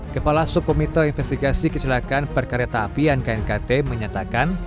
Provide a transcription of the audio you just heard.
kepala sukomito investigasi kecelakaan perkereta apian knkt menyatakan